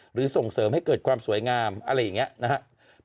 ส่งเสริมให้เกิดความสวยงามอะไรอย่างนี้นะครับ